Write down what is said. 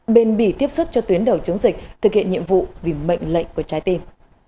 bền bỉ tiếp sức cho tuyến đầu chống dịch thực hiện nhiệm vụ vì mệnh lệnh của trái tim